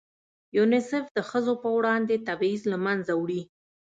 یونیسف د ښځو په وړاندې تبعیض له منځه وړي.